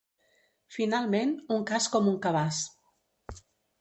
Finalment, un cas com un cabàs.